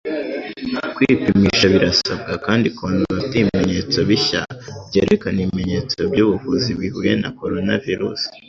kwipimisha birasabwa kandi kubantu bafite ibimenyetso bishya byerekana ibimenyetso byubuvuzi bihuye na coronavirus